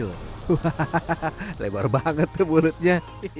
hahaha lebar banget tuh mulutnya